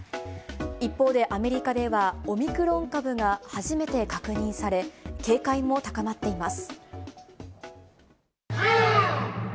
一方でアメリカでは、オミクロン株が初めて確認され、警戒も高まっています。